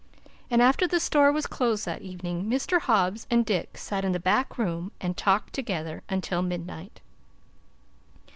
And after the store was closed that evening, Mr. Hobbs and Dick sat in the back room and talked together until midnight.